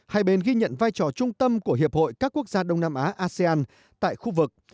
hai bên ghi nhận vai trò trung tâm của hiệp hội các quốc gia đông nam á asean tại khu vực